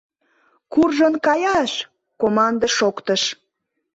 — Куржын каяш! — команде шоктыш.